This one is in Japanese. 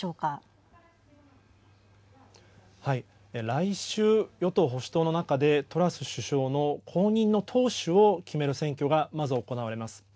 来週、与党・保守党の中でトラス首相の後任の党首を決める選挙がまず行われます。